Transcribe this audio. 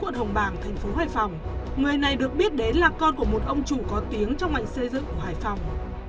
trong đó có một nữ cán bộ đang thành phố hải phòng người này được biết đến là con của một ông chủ có tiếng trong ngành xây dựng của hải phòng